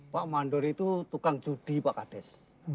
pak mandur itu tukang judi pak gades